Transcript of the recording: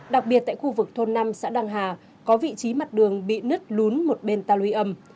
đặc biệt tại khu vực thôn năm xã đăng hà có vị trí mặt đường bị nứt lún một bên ta luy âm